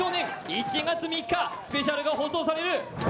１月３日、スペシャルが放送される。